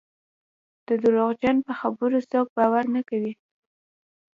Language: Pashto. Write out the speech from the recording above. د درواغجن په خبره څوک باور نه کوي.